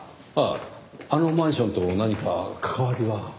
あああのマンションと何か関わりは？